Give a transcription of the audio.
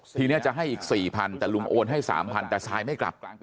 ทีนี้จะให้อีก๔๐๐แต่ลุงโอนให้๓๐๐แต่ซายไม่กลับ